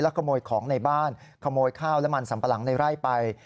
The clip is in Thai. แล้วกระโมยของในบ้านขโมยข้าวและมันสัมปรังในไร้ไป